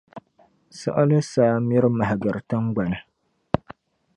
siɣili saa miri mahigiri tiŋgbani.